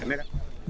kami ke banding